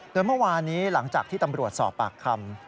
โดยเมื่อวานนี้หลังจากที่ตำรวจสอบปากคำ